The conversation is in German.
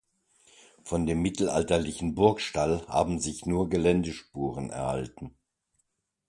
Von dem mittelalterlichen Burgstall haben sich nur Geländespuren erhalten.